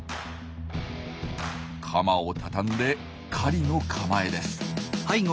カマを畳んで狩りの構えです。